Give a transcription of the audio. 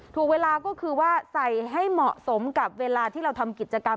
ถูกเวลาก็คือว่าใส่ให้เหมาะสมกับเวลาที่เราทำกิจกรรม